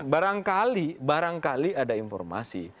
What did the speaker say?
barangkali barangkali ada informasi